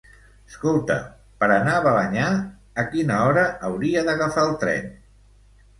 Escolta, per anar a Balenyà, a quina hora hauria d'agafar el tren?